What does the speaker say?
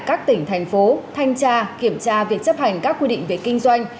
các tỉnh thành phố thanh tra kiểm tra việc chấp hành các quy định về kinh doanh